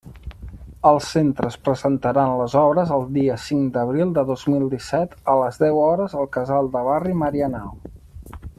Els centres presentaran les obres el dia cinc d'abril de dos mil disset a les deu hores al Casal de Barri Marianao.